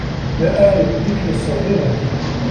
لا أعرف تلك الصّغيرة.